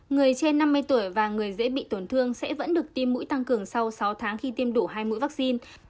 người trên năm mươi tuổi và người dễ bị tổn thương sẽ vẫn được tiêm mũi tăng cường sau sáu tháng khi tiêm đủ hai mũi vaccine